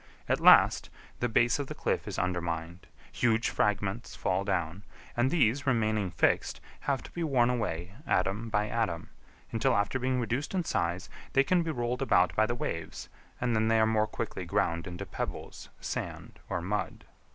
At last the base of the cliff is undermined, huge fragments fall down, and these remaining fixed, have to be worn away atom by atom, until after being reduced in size they can be rolled about by the waves, and then they are more quickly ground into pebbles, sand, or mud.